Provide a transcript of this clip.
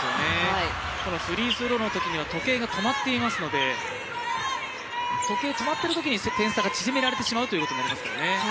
フリースローのときには時計が止まっていますので時計、止まっているときに点差が縮められてしまうということになります。